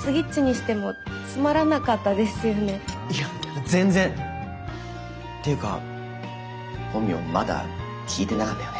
いや全然！っていうか本名まだ聞いてなかったよね。